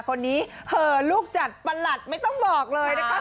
คนนี้เหอลูกจัดประหลัดไม่ต้องบอกเลยนะคะ